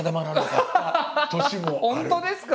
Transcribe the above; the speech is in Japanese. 本当ですか？